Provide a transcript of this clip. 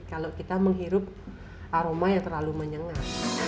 kalau kita menghirup aroma yang terlalu menyengat